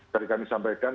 tadi kami sampaikan